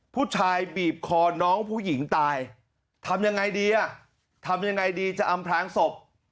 ผู้ชายบีบคอน้องผู้หญิงตายทำยังไงดีอ่ะทำยังไงดีจะอำพลางศพ